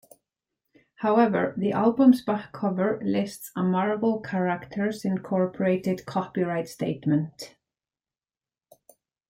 However, the album's back cover lists a Marvel Characters, Incorporated copyright statement.